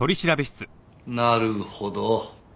なるほど。